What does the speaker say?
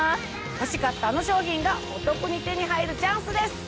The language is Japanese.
欲しかったあの商品がお得に手に入るチャンスです。